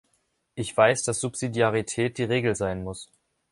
Ich weiß, dass Subsidiarität die Regel sein muss.